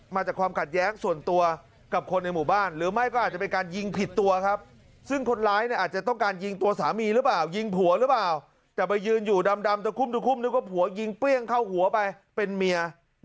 มาจากความขัดแย้งส่วนตัวกับคนในหมู่บ้านหรือไม่